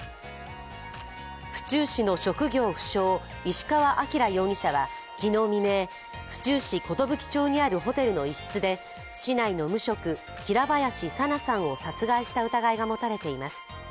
府中市の職業不詳、石川晃容疑者は昨日未明、府中市寿町にあるホテルの一室で市内の無職、平林さなさんを殺害した疑いが持たれています。